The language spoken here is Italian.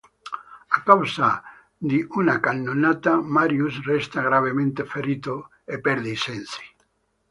A causa di una cannonata, Marius resta gravemente ferito e perde i sensi.